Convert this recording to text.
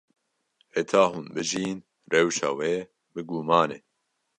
Heta hûn bijîn, rewşa we bi guman e.